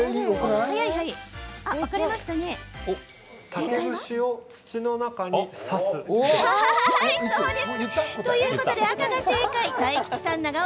竹串を土の中に刺す、です。